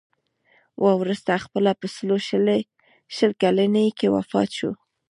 وروسته خپله په سلو شل کلنۍ کې وفات شو.